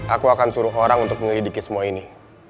aku akan suruh orang untuk menyelidiki semua ini